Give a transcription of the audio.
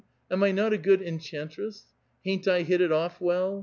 Am I not a good enchantress? Hain't I hit it olt* well